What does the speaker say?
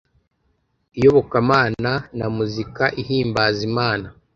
iyobokamana na muzika ihimbaza Imana